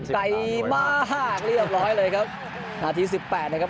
ไกลมากเรียบร้อยเลยครับนาทีสิบแปดนะครับ